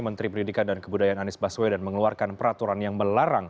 menteri pendidikan dan kebudayaan anies baswedan mengeluarkan peraturan yang melarang